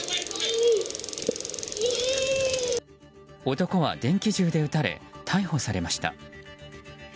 男は電気銃で撃たれ逮捕されました。